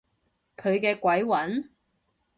佢嘅鬼魂？